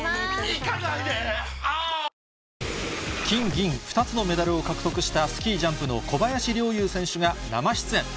金、銀、２つのメダルを獲得したスキージャンプの小林陵侑選手が生出演。